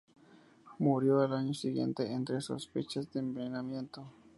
Murió al año siguiente entre sospechas de envenenamiento.